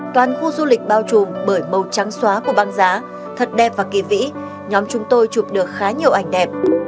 toàn khu du lịch bao trùm bởi màu trắng xóa của băng giá thật đẹp và kỳ vĩ nhóm chúng tôi chụp được khá nhiều ảnh đẹp